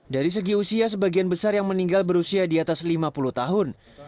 dari segi usia sebagian besar yang meninggal berusia di atas lima puluh tahun